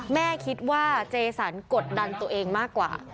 แม่คิดว่าเจสันกดดันตัวเองมากกว่า